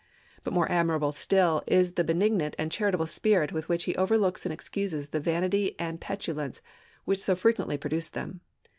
But more admirable still is the benignant and charitable spirit with which he overlooks and excuses the vanity and petulance which so frequently produced them.